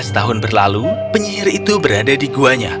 tujuh belas tahun berlalu penyihir itu berada di guanya